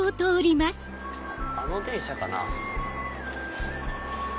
あの電車かな？